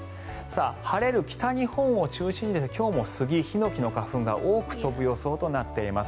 晴れる北日本を中心に今日もスギ・ヒノキの花粉が多く飛ぶ予想となっています。